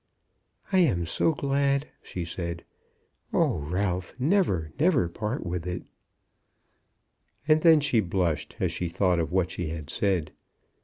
"I am so glad!" she said. "Oh, Ralph, never, never part with it." And then she blushed, as she thought of what she had said.